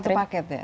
itu satu paket ya